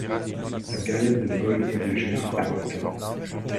Sa période de vol est de juin à octobre.